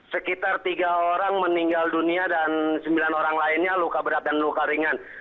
sekitar tiga orang meninggal dunia dan sembilan orang lainnya luka berat dan luka ringan